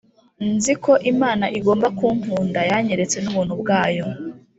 nzi ko imana igomba kunkunda, yanyeretse n'ubuntu bwayo